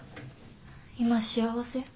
今幸せ？